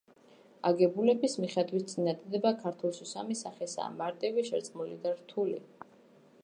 აგებულების მიხედვით წინადადება ქართულში სამი სახისაა: მარტივი, შერწყმული და რთული.